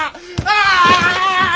ああ！